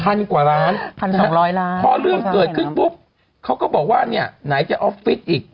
พันกว่าล้านพอเรื่องเกิดขึ้นปุ๊บเขาก็บอกว่าไหนจะออฟฟิศอีก